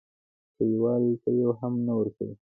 کلیوالو ته یوه هم نه ورکوي.